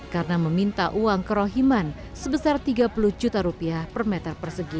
karena meminta uang kerohiman sebesar tiga puluh juta rupiah per meter persegi